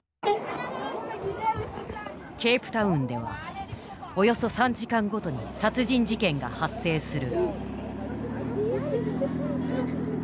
ケープタウンではおよそ３時間ごとに殺人事件が発生する。